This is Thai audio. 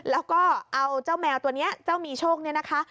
แล้วก็เอาเจ้าแมวตัวนี้เจ้ามีโชคเนี่ยนะคะ